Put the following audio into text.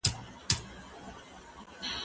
زه هره ورځ سبزیحات پاختم؟